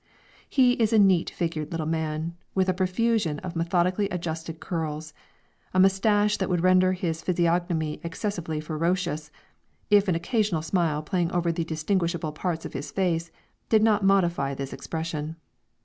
He is a neat figured little man, with a profusion of methodically adjusted curls, a moustache that would render his physiognomy excessively ferocious, if an occasional smile playing over the distinguishable parts of his face, did not modify this expression.